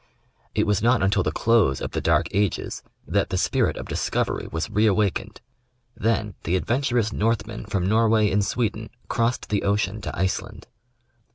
It was not until, the close of the dark ages that the spirit of discovery was re awakened.. Then the adventurous Northmen from Norway and Sweden crossed the ocean to Iceland.